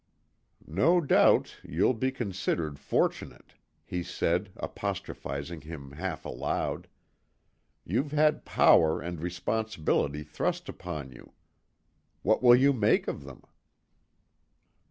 "No doubt you'll be considered fortunate," he said, apostrophizing him half aloud. "You've had power and responsibility thrust upon you. What will you make of them?"